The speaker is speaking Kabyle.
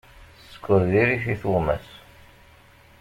Sskeṛ diri-t i tuɣmas.